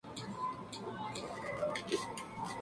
Hospitales: St.